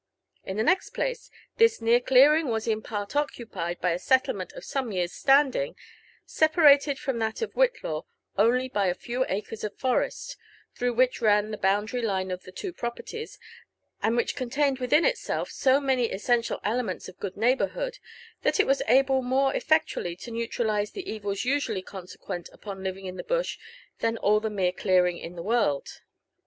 In the next place, this near clearing was in part occupied by a settlement of some years' standing, separated from that of Whidaw only by a few acres of forest, through which ran the boundary line of the two properlies, and which contained within itself so many essen tial elements of good neighbourhood, (hat it was able more efTectually to neutralize the evils usually consequent upon living in the bush than all the mere clearing in the world.